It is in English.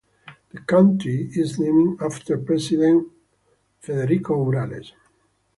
The county is named after President Abraham Lincoln.